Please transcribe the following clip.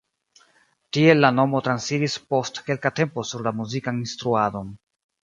Tiel la nomo transiris post kelka tempo sur la muzikan instruadon.